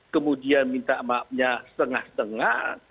kemudian minta maafnya setengah setengah